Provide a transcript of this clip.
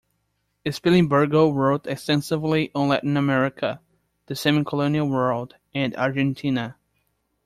Spilimbergo wrote extensively on Latin America, the "semi-colonial world", and Argentina.